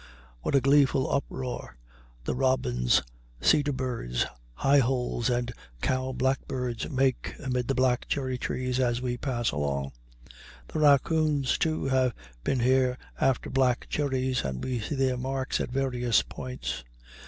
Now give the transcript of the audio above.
What a gleeful uproar the robins, cedar birds, high holes, and cow blackbirds make amid the black cherry trees as we pass along! The raccoons, too, have been here after black cherries, and we see their marks at various points.